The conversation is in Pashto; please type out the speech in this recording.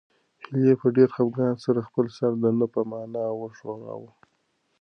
هیلې په ډېر خپګان سره خپل سر د نه په مانا وښوراوه.